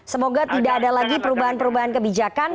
semoga tidak ada lagi perubahan perubahan kebijakan